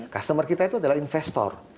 customer kita itu adalah investor